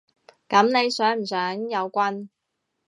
噉你想唔想有棍？